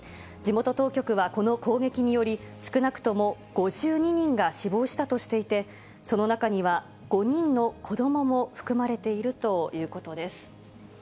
地元当局はこの攻撃により、少なくとも５２人が死亡したとしていて、その中には、５人の子どもも含まれているということです。